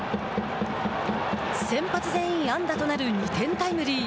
先発全員安打となる２点タイムリー。